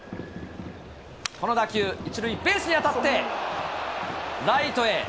この打球、１塁ベースに当たって、ライトへ。